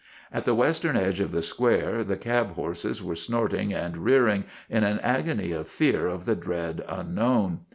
At the western edge of the Square the cab horses were snorting and rearing in an agony of fear of the dread unknown.